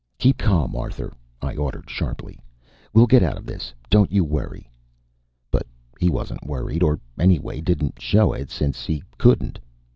"Keep calm, Arthur!" I ordered sharply. "We'll get out of this, don't you worry!" But he wasn't worried, or anyway didn't show it, since he couldn't.